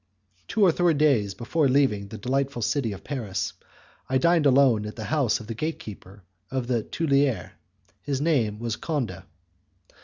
Two or three days before leaving the delightful city of Paris I dined alone at the house of the gate keeper of the Tuileries; his name was Conde.